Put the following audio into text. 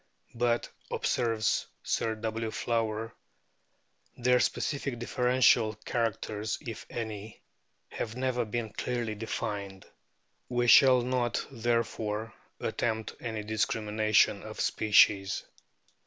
" But," observes Sir W. Flower, "their specific differential characters, if any, have never been clearly defined." We shall not, there fore, attempt any discrimination of species.